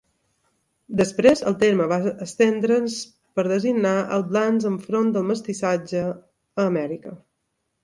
Després el terme va estendre's per designar els blancs enfront del mestissatge, a Amèrica.